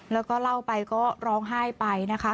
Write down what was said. แล้วก็เล่าไปก็ร้องไห้ไปนะคะ